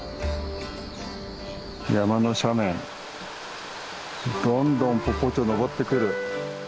山の斜面どんどんポポーチョ登ってくる。